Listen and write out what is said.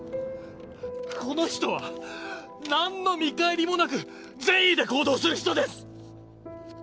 この人は何の見返りもなく善意で行動する人です！